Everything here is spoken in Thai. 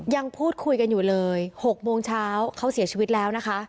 ยังพูดคุยกันอยู่เลย๖โมงเช้าเขาเสียชีวิตแล้วนะคะ